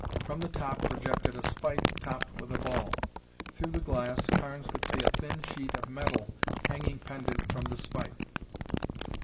From the top projected a spike topped with a ball. Through the glass, Carnes could see a thin sheet of metal hanging pendant from the spike.